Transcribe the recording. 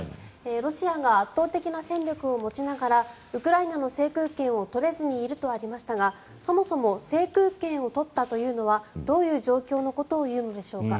ロシアが圧倒的な戦力を持ちながらウクライナの制空権を取れずにいるとありましたがそもそも制空権を取ったというのはどういう状況のことをいうのでしょうか。